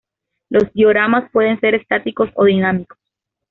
Los dioramas pueden ser estáticos o dinámicos.